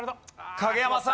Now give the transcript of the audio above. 影山さん